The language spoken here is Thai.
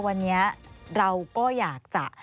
วันนี้เราก็อยากจะ